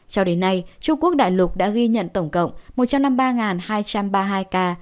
cho đến nay trung quốc đại lục đã ghi nhận tổng cộng một trăm năm mươi ba hai trăm ba mươi hai ca